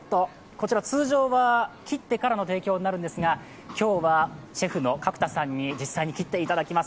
こちら通常は切ってからの提供になるんですが今日はシェフに実際に切っていただきます。